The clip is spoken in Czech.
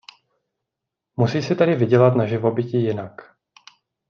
Musí si tedy vydělat na živobytí jinak.